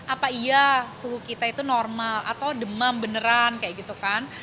apa iya suhu kita itu normal atau demam beneran